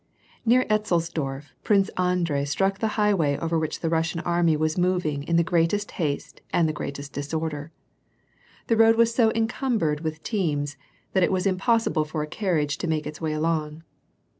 Near Etzelsdorf, Prince Andrei struck the highway over which the Russian army was moving in the greatest haste and the greatest disorder. The road was so encumbered with teams, that it was impossible for a carriage to make its way along.